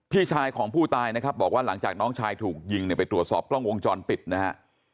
พี่ชายของผู้ตายนะครับบอกว่าหลังจากน้องชายถูกยิงเนี่ยไปตรวจสอบกล้องวงจรปิดนะฮะ